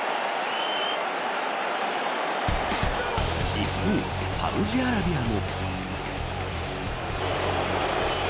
一方、サウジアラビアも。